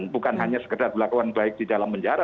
bukan hanya sekedar melakukan baik di dalam penjara